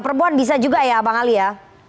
perempuan bisa juga ya bang ali ya